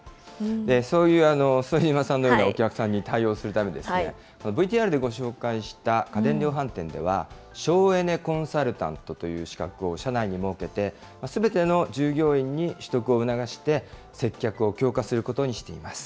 そういう副島さんのようなお客さんに対応するために、ＶＴＲでご紹介した家電量販店では、省エネコンサルタントという資格を社内に設けて、すべての従業員に取得を促して、接客を強化することにしています。